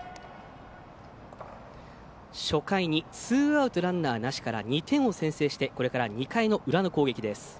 初回にツーアウトランナーなしから２点を先制してこれから２回の裏の攻撃。